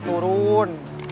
usaha kamu sekarang gimana